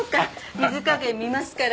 水加減見ますから。